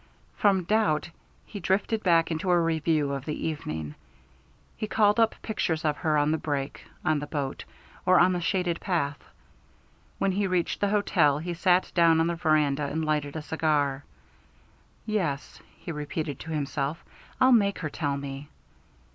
From doubt, he drifted back into a review of the evening. He called up pictures of her on the brake, on the boat, or on the shaded path. When he reached the hotel he sat down on the veranda and lighted a cigar. "Yes," he repeated to himself, "I'll make her tell me."